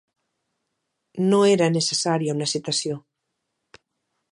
No era necessària una citació.